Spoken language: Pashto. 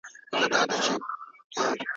زه له سهاره د سبا لپاره د سبا پلان جوړوم.